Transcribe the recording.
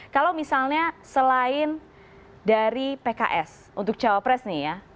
kalau misalnya selain dari pks untuk cawapres nih ya